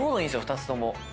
２つとも。